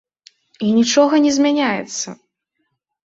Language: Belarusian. І нічога не змяняецца!